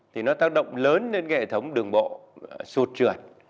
thì nó tác động lớn lên cái hệ thống đường bộ sụt trượt